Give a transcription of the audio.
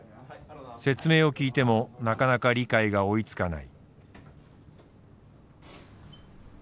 説明を聞いてもなかなか理解が追いつかない。